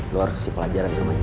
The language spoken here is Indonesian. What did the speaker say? lo harus cip pelajaran sama dia